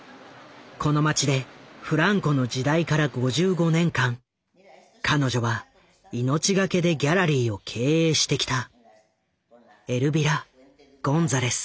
この街でフランコの時代から５５年間彼女は命懸けでギャラリーを経営してきた。